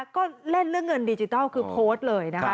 ก็เล่นเรื่องเงินดิจิทัลคือโพสต์เลยนะคะ